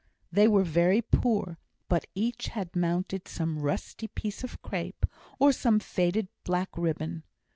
They were very poor but each had mounted some rusty piece of crape, or some faded black ribbon.